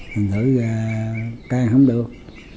thì thử ra càng không được